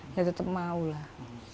dia tetap maulah